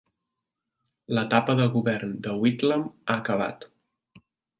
L'etapa de govern de Whitlam ha acabat.